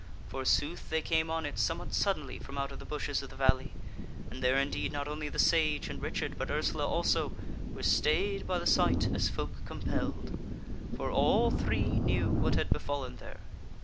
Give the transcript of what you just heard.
Forsooth they came on it somewhat suddenly from out of the bushes of the valley; and there indeed not only the Sage and Richard, but Ursula also, were stayed by the sight as folk compelled; for all three knew what had befallen there.